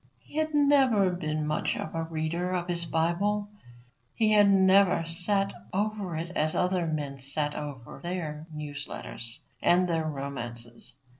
He had never been much a reader of his Bible; he had never sat over it as other men sat over their news letters and their romances.